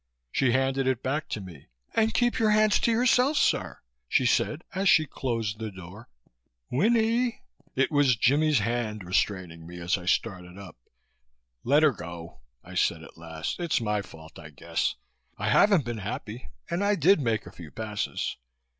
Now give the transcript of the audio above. She handed it back to me. "And keep your hands to yourself, sir," she said as she closed the door. "Winnie." It was Jimmie's hand restraining me, as I started up. "Let her go!" I said at last. "It's my fault, I guess. I haven't been happy and I did make a few passes.